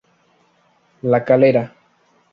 La Calera.